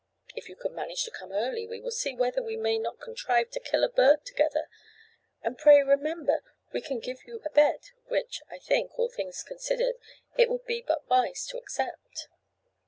If you can manage to come early, we will see whether we may not contrive to kill a bird together; and pray remember we can give you a bed, which I think, all things considered, it would be but wise to accept.